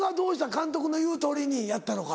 監督の言うとおりにやったのか？